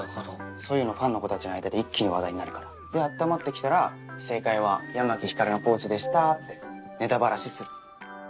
そういうのファンの子たちの間で一気に話題になるから。で温まってきたら「正解は矢巻光のポーチでした」ってネタばらしする。